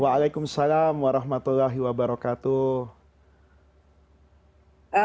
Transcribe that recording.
waalaikumsalam warahmatullahi wabarakatuh